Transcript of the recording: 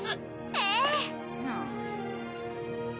ええ。